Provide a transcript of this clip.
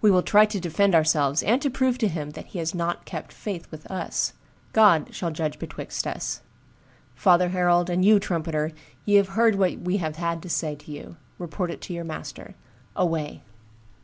We will try to defend ourselves, and to prove to him that he has not kept faith with us. God shall judge betwixt us. Father herald, and you, trumpeter, ye have heard what we had to say to you; report it to your master. Away!"